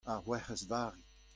ar Werc'hez Vari.